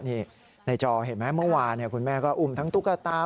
นี่ในจอเห็นไหมเมื่อวานคุณแม่ก็อุ้มทั้งตุ๊กตา